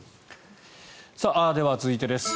では、続いてです。